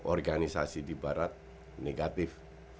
organisasi di barat negatif